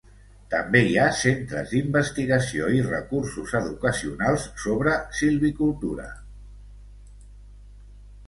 També hi ha centres d'investigació i recursos educacionals sobre silvicultura.